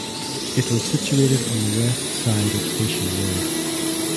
It was situated on the west side of Station Road.